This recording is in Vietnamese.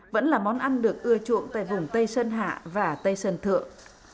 vẫn là món ăn được ưa chuộng tại vùng tây sơn hạ và tây sơn thượng